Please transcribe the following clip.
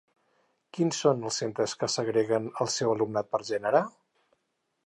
Quins són els centres que segreguen el seu alumnat per gènere?